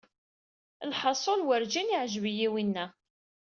Lḥaṣul werjin yeɛjeb-iyi winna.